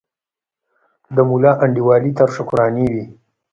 د ملا انډیوالي تر شکرانې وي